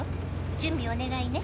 「準備お願いね